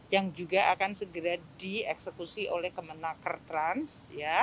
yang juga akan segera dieksekusi oleh kemenaker trans